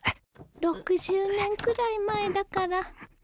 ６０年くらい前だから。